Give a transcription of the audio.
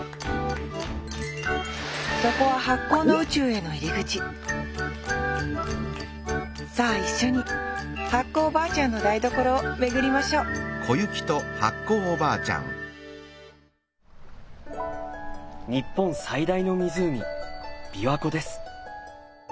そこは発酵の宇宙への入り口さあ一緒に発酵おばあちゃんの台所を巡りましょう日本最大の湖琵琶湖です。